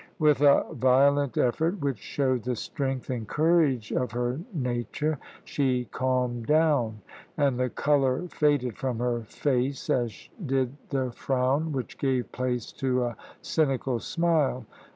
With a violent effort, which showed the strength and courage of her nature, she calmed down, and the colour faded from her face, as did the frown, which gave place to a cynical smile.